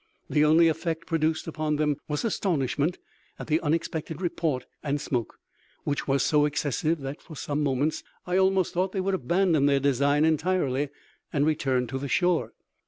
The only effect produced upon them was astonishment at the unexpected report and smoke, which was so excessive that for some moments I almost thought they would abandon their design entirely, and return to the shore.